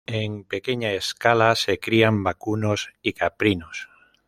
En pequeña escala se crían vacunos y caprinos.